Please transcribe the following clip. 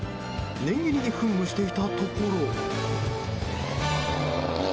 念入りに噴霧していたところ。